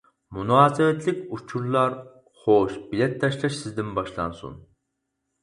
مۇناسىۋەتلىك ئۇچۇرلار خوش بىلەت تاشلاش سىزدىن باشلانسۇن!